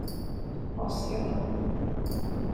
嚇死我啦